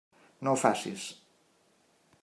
No ho facis!